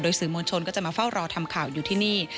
สื่อมวลชนก็จะมาเฝ้ารอทำข่าวอยู่ที่นี่